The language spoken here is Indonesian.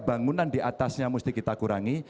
bangunan diatasnya mesti kita kurangi